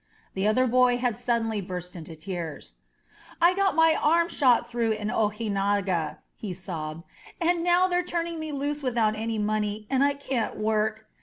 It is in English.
The other boy had suddenly burst into tears. "I got my arm shot through in Ojinaga," he sobbed, "and now they're turning me loose without any money, and I can't work.